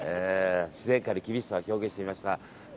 自然界の厳しさを表現してみました。